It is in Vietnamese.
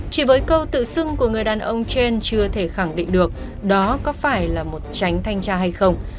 chỉ với câu tự xưng của người đàn ông trên chưa thể khẳng định được đó có phải là một tránh thanh tra hay không